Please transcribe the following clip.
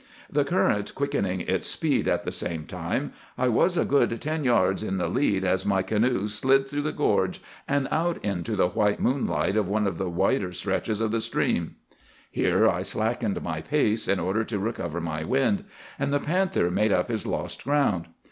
The current quickening its speed at the same time, I was a good ten yards in the lead, as my canoe slid through the gorge and out into the white moonlight of one of the wider reaches of the stream. "Here I slackened my pace in order to recover my wind; and the panther made up his lost ground.